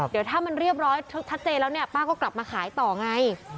เดี๋ยวถ้ามันเรียบร้อยชัดเจนแล้วเนี่ยป้าก็กลับมาขายต่อไง